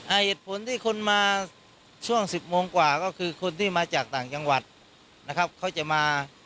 เหตุผลที่คนมาช่วงสิบโมงกว่าก็คือคนที่มาจากต่างจังหวัดนะครับเขาจะมา